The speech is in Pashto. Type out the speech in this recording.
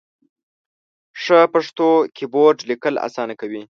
ښه پښتو کېبورډ ، لیکل اسانه کوي.